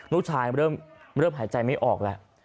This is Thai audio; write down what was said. ลูกชายเริ่มหายใจไม่ออกแล้ว